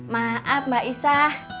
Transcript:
maaf mbak isah